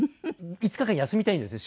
５日間休みたいんですよ